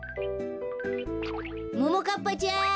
ももかっぱちゃん。